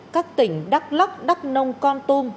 các tỉnh đắk lắk đắk nông con tum